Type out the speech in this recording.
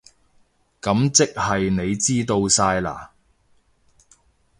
噉即係你知道晒喇？